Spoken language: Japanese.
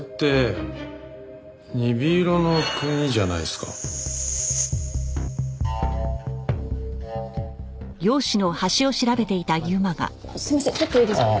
すいません